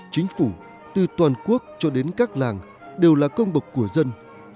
chính phủ từ toàn quốc cho đến các làng đều là công bậc của dân